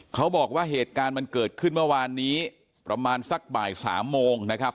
เขาบอกว่าเหตุการณ์มันเกิดขึ้นเมื่อวานนี้ประมาณสักบ่ายสามโมงนะครับ